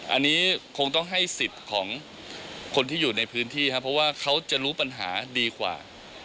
อันนี้คงต้องให้สิทธิ์ของคนที่อยู่ในพื้นที่ครับเพราะว่าเขาจะรู้ปัญหาดีกว่า